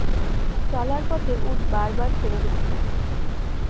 চলার পথে উট বার বার থেমে যেতে থাকে।